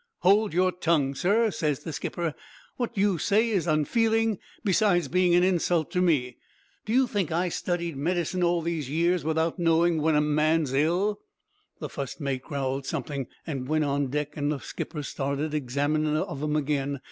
"'Hold your tongue, sir,' ses the skipper; 'what you say is unfeeling, besides being an insult to me. Do you think I studied medicine all these years without knowing when a man's ill?' [Illustration: W. W. Jacobs] "The fust mate growled something, and went on deck, and the skipper started examining of 'em again.